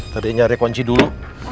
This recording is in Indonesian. tadi nyari kunci dulu